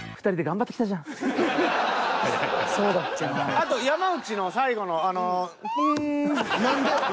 あと山内の最後のあのプーン。